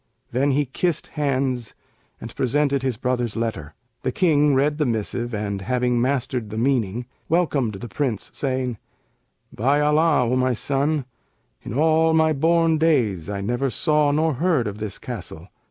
Then he kissed hands and presented his brother's letter. The King read the missive and, having mastered the meaning, welcomed the Prince, saying, 'By Allah, O my son, in all my born days I never saw nor heard of this castle!'